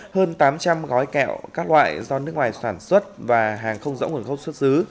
hơn tám trăm linh gói kẹo các loại do nước ngoài sản xuất và hàng không rõ nguồn gốc xuất xứ